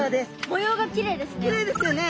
模様がきれいですね。